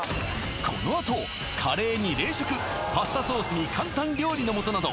このあとカレーに冷食パスタソースに簡単料理の素など